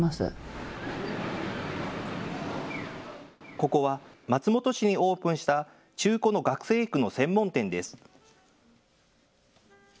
ここは、松本市にオープンした中古の学生服の専門店です。